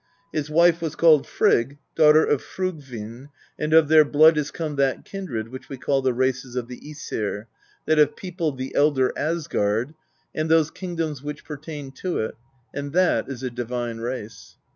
His wife was called Frigg daughter of Fjorgvinn; and of their blood is come that kindred which we call the races of the iEsir, that have peopled the Elder Asgard, and those kingdoms which pertain to it; and that is a divine race.